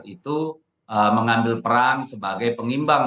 itu mengambil peran sebagai pengimbang